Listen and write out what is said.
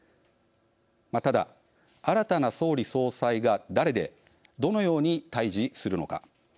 ただ、新たな総理総裁が誰でどのように対じするのか。